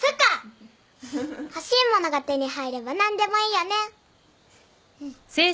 欲しい物が手に入れば何でもいいよね。